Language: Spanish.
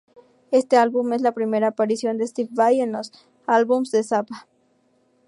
Este álbum es la primera aparición de Steve Vai en los álbumes de Zappa.